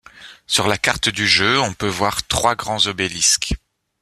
Sur la carte du jeu, on peut voir trois grands obélisques.